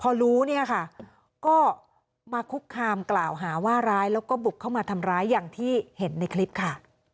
พอรู้เนี่ยค่ะก็มาคุกคามกล่าวหาว่าร้ายแล้วก็บุกเข้ามาทำร้ายอย่างที่เห็นในคลิปค่ะ